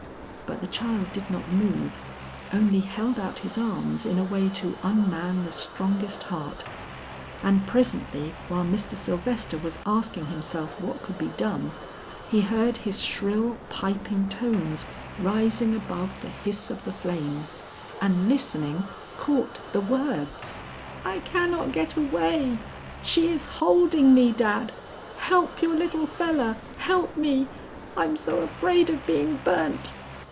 But the child did not move, only held out his arms in a way to unman the strongest heart; and presently while Mr. Sylvester was asking himself what could be done, he heard his shrill piping tones rising above the hiss of the flames, and listening, caught the words: "I cannot get away. She is holding me, Dad. Help your little feller; help me, I'm so afraid of being burnt."